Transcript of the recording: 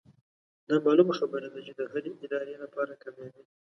دا معلومه خبره ده چې د هرې ادارې لپاره کاميابي